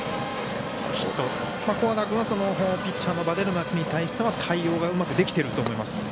古和田君はピッチャーのヴァデルナ君に対しては対応がうまくできていると思います。